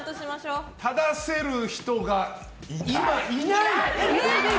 正せる人が今、いない！